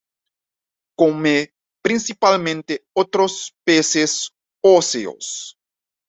Come principalmente otros peces óseos.